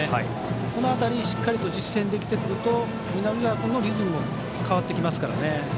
その辺りしっかり実践できると南澤君のリズムも変わってきますからね。